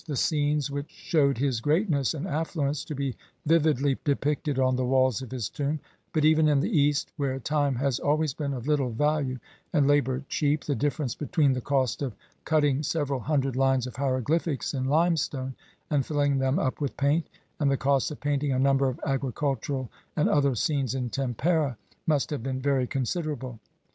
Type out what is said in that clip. the scenes which shewed his greatness and affluence to be vividly depicted on the walls of his tomb, but even in the East, where time has always been of little value and labour cheap, the difference between the cost of cutting several hundred lines of hieroglyphics in limestone and filling them up with paint, and the cost of painting a number of agricultural and other scenes in tempera must have been very considerable.